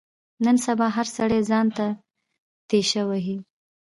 نن سبا هر سړی ځان ته تېشه وهي.